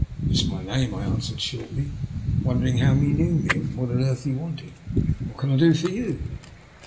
*' That is my name/' I answered shortly, wondering how he knew me and what on earth he wanted. ," What can I do for you?